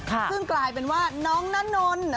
ซึ่งกลายเป็นว่าน้องนานนท์